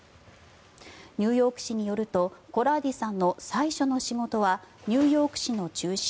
ニューヨーク市によるとコラーディさんの最初の仕事はニューヨーク市の中心